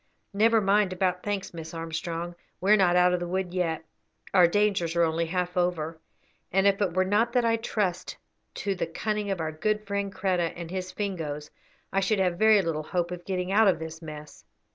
"Never mind about thanks, Miss Armstrong; we are not out of the wood yet, our dangers are only half over, and if it were not that I trust to the cunning of our good friend Kreta and his Fingoes I should have very little hope of getting out of this mess.